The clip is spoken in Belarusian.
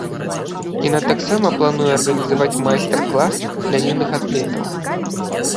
Яна таксама плануе арганізаваць майстар-клас для юных атлетаў.